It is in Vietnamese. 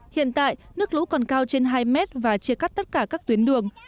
hiện tại nước lũ còn cao trên hai mét và chia cắt tất cả các tuyến đường